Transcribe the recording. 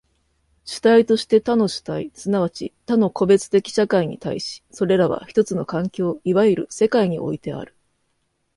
主体として他の主体即ち他の個別的社会に対し、それらは一つの環境、いわゆる世界においてある。